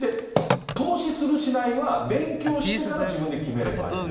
投資する、しないは、勉強してから自分で決めればいい。